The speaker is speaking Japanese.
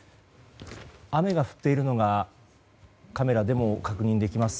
雨が降っているのがカメラでも確認できます。